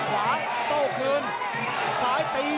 โหโหโหโหโหโห